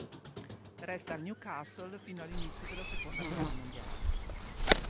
Resta al Newcastle fino all'inizio della seconda guerra mondiale.